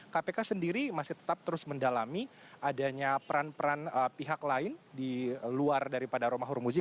kpk sendiri masih tetap terus mendalami adanya peran peran pihak lain di luar daripada romahur muzi